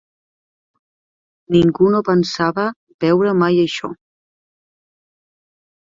Ningú no pensava veure mai això.